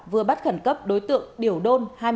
vừa bắt khẩn cấp đối tượng điều đôn